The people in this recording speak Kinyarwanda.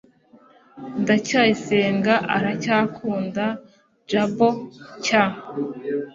ndacyayisenga aracyakunda jabo cy